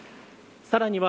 さらには。